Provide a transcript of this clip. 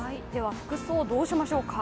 服装、どうしましょうか。